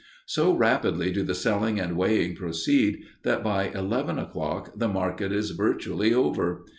So rapidly do the selling and weighing proceed that by eleven o'clock the market is virtually over.